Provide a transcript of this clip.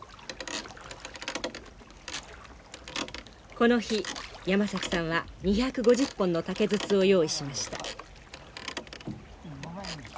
この日山崎さんは２５０本の竹筒を用意しました。